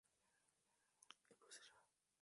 Este rechazo se producirá repetidamente.